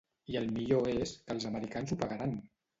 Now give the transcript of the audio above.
I el millor és que els americans ho pagaran!